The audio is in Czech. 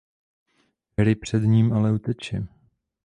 Harry před ním ale uteče.